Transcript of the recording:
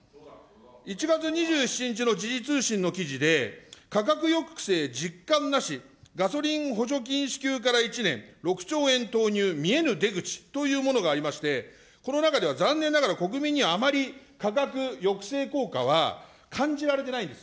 １月２７日の時事通信の記事で、価格抑制実感なし、ガソリン補助金支給から１年、６兆円投入、見えぬ出口というものがありまして、この中では残念ながら国民にあまり価格抑制効果は感じられてないんです。